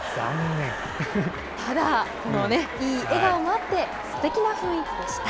でもね、いい笑顔もあって、すてきな雰囲気でした。